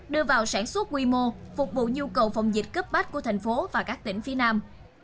đưa vào sản xuất quy mô phục vụ nhu cầu phòng dịch cấp bách của thành phố và các tỉnh phía nam